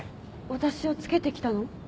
私をつけてきたの？